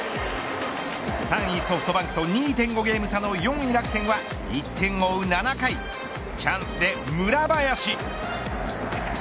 ３位ソフトバンクと２．５ゲーム差の４位楽天は１点を追う７回チャンスで村林。